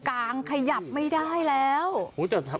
กลับด้านหลักหลักหลักหลักหลัก